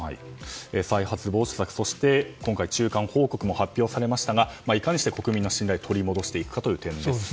再発防止策そして中間報告も発表されていかにして国民の信頼を取り戻していくかという点ですね。